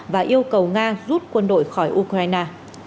và yêu cầu nga rút quân đội khỏi ukraine